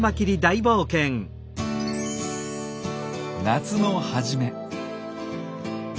夏の初め。